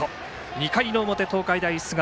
２回の表、東海大菅生